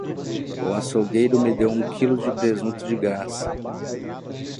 O açougueiro me deu um quilo de presunto de graça!